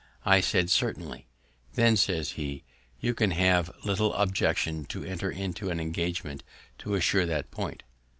I said certainly. "Then," says he, "you can have little objection to enter into an engagement to assure that point."